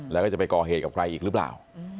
แล้วก็จะไปก่อเหตุกับใครอีกหรือเปล่า